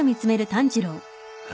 あ？